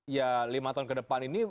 ya lima tahun ke depan ini